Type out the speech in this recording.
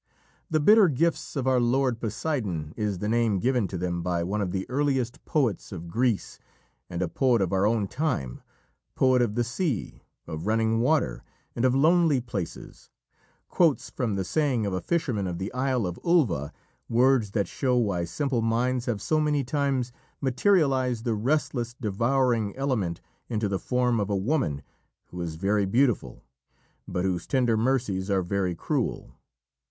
"The bitter gifts of our lord Poseidon" is the name given to them by one of the earliest poets of Greece and a poet of our own time poet of the sea, of running water, and of lonely places quotes from the saying of a fisherman of the isle of Ulva words that show why simple minds have so many times materialised the restless, devouring element into the form of a woman who is very beautiful, but whose tender mercies are very cruel.